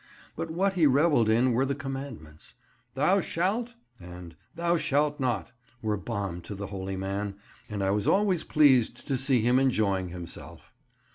But what he revelled in were the commandments: "Thou shalt" and "Thou shalt not" were balm to the holy man, and I was always pleased to see him enjoying himself.